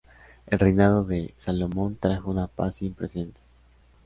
El reinado de Salomón trajo una paz sin precedentes.